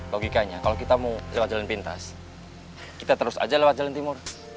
logikanya kalau kita mau lewat jalan pintas kita terus aja lewat jalan timur